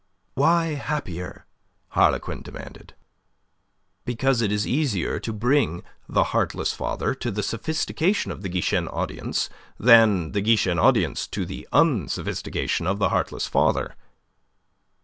"Why happier?" Harlequin demanded. "Because it is easier to bring 'The Heartless Father' to the sophistication of the Guichen audience, than the Guichen audience to the unsophistication of 'The Heartless Father.